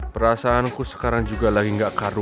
perasaanku sekarang juga lagi gak karu